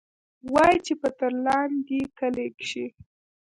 وايي چې پۀ ترلاندۍ کلي کښې